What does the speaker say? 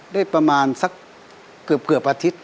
ได้ประมาณสักเกือบอาทิตย์